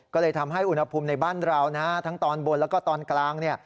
ก็เลยทำให้อุณหภูมิในบ้านเรานะฮะทั้งตอนบนแล้วก็ตอนกลางเนี่ย